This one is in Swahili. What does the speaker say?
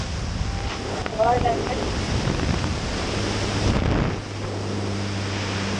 utawala wake utalinda haki ya wanawake kupata matibabu na dawa za upangaji uzazi